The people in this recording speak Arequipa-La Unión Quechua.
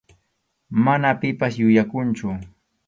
Mana pipas yuyakunchu.